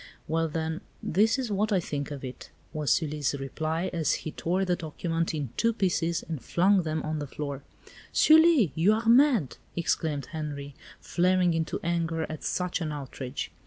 "Well then, this is what I think of it," was Sully's reply, as he tore the document in two pieces and flung them on the floor. "Sully, you are mad!" exclaimed Henri, flaring into anger at such an outrage.